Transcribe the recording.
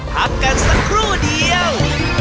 พักกันสักครู่เดียว